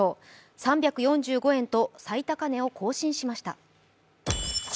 ３４５円と最高値を更新しました。